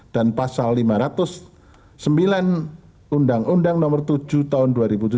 dan pasal lima ratus sembilan undang undang nomor tujuh tahun dua ribu tujuh belas